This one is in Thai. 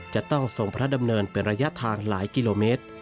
จะต้องทรงพระดำเนินเป็นระยะทางหลายกิโลเมตร